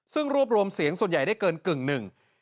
ซึ่งรวบรวมเสียงส่วนใหญ่ได้เกินกึ่งหนึ่ง